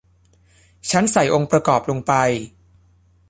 ฉันใส่องค์ประกอบลงไป